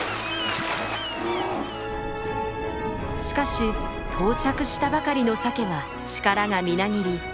しかし到着したばかりのサケは力がみなぎり